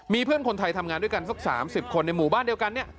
มีเพื่อนคนไทยทำงานด้วยกันสัก๓๐คนในหมู่บ้านเดียวกันเนี่ย